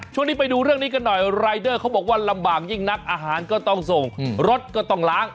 ช่วงนี้ไปดูเรื่องนี้กันหน่อยรายเดอร์เขาบอกว่าลำบากยิ่งนักอาหารก็ต้องส่งรถก็ต้องล้าง